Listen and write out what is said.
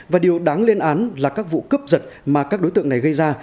và điều đáng lên án là các vụ cướp giật mà các đối tượng này gây ra